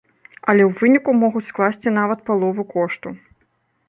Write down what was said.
Але ў выніку могуць скласці нават палову кошту.